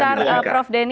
sebentar prof deni